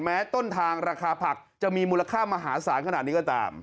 ต้นทางราคาผักจะมีมูลค่ามหาศาลขนาดนี้ก็ตาม